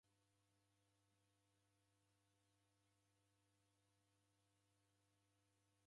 Ndeikundika kunywa w'ughanga kusezerelo ni mrighiti.